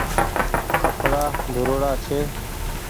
ڪپڙآ ڌوڙاڙا ڇي